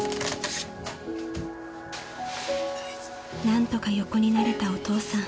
［なんとか横になれたお父さん］